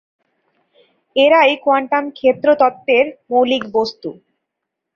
এরাই কোয়ান্টাম ক্ষেত্র তত্ত্বের মৌলিক বস্তু।